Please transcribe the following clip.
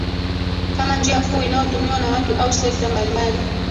Kama njia kuu inayotumiwa na watu au sekta mbalimbali